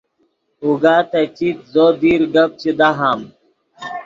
اوگا تے چیت زو دیر گپ چے دہام